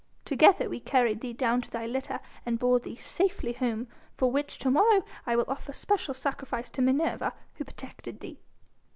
Together we carried thee down to thy litter and bore thee safely home for which to morrow I will offer special sacrifice to Minerva who protected thee."